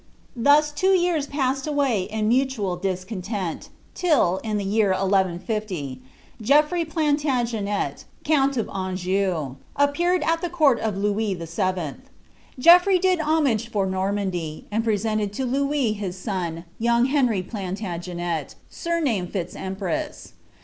Thus two years passed away in mutual discontent, till, in the year 1150, Geoffrey ' Plantagenet, count of Anjou, appeared at the court of Lonis VII. Geoffrey did homage for Noimandy, and presented to Louis his son, young Henry Plantagenet, sumamed Fitz Empress.